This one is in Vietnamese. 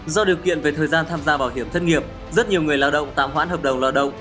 do điều kiện về thời gian tham gia bảo hiểm thất nghiệp rất nhiều người lao động tạm hoãn hợp đồng lao động